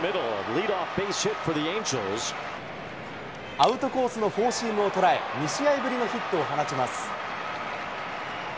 アウトコースのフォーシームを捉え、２試合ぶりのヒットを放ちます。